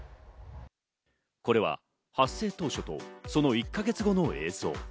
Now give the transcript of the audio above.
これは発生当初とその１か月後の映像。